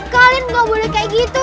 kalian gak boleh kayak gitu